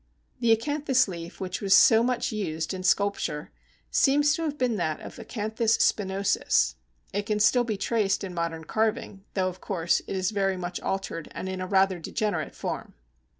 The Acanthus leaf which was so much used in sculpture seems to have been that of Acanthus spinosus. It can still be traced in modern carving, though, of course, it is very much altered and in a rather degenerate form.